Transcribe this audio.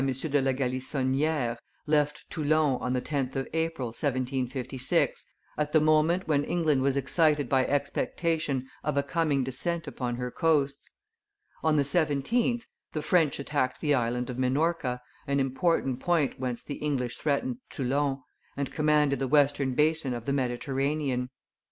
de la Galissonniere, left Toulon on the 10th of April, 1756, at the moment when England was excited by expectation of a coming descent upon her coasts. On the 17th, the French attacked the Island of Minorca, an important point whence the English threatened Toulon, and commanded the western basin of the Mediterranean.